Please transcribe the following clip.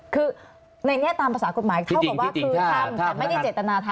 คือในแง่ตามภาษากฎหมายเท่ากับว่าคือทำแต่ไม่ได้เจตนาทำ